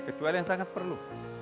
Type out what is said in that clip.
kecuali yang sangat perlu